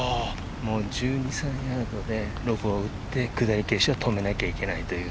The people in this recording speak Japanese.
１２１３ヤードでロブを打って下り傾斜を止めなきゃいけない。